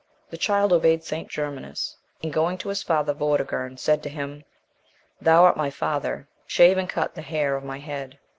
The child obeyed St. Germanus, and going to his father Vortigern, said to him, "Thou art my father; shave and cut the hair of my head."